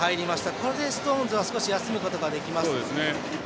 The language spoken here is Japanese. これでストーンズは休むことができます。